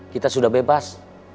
kita sudah bebas